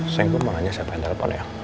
sayang gue mau nanya siapa yang telepon ya